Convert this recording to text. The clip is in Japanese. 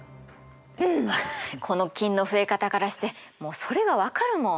この菌の増え方からしてもうそれが分かるもん。